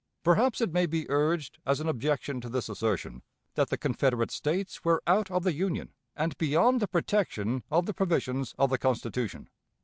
Perhaps it may be urged as an objection to this assertion, that the Confederate States were out of the Union and beyond the protection of the provisions of the Constitution.